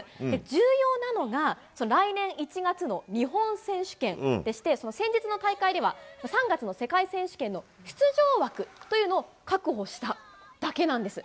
重要なのが、来年１月の日本選手権でして、先日の大会では、３月の世界選手権の出場枠というのを確保しただけなんです。